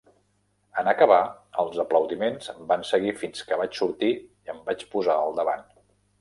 En acabar, els aplaudiments van seguir fins que vaig sortir i em vaig posar al davant.